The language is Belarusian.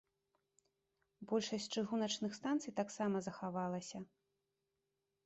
Большасць чыгуначных станцый таксама захавалася.